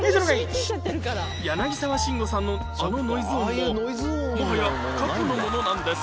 柳沢慎吾さんのあのノイズ音ももはや過去のものなんです